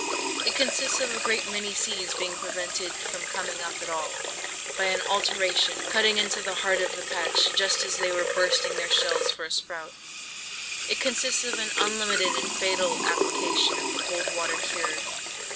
It consists of a great many seeds being prevented from coming up at all, by an "alteration" cutting into the heart of the patch just as they were bursting their shells for a sprout. It consists of an unlimited and fatal application of the cold water cure.